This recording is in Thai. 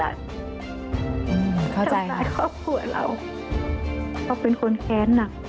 เข้าใจในครอบครัวเราเขาเป็นคนแค้นหนัก